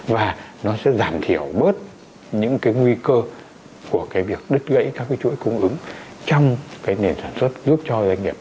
với những giải pháp đã được đưa ra